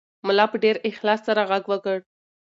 ملا په ډېر اخلاص سره غږ وکړ.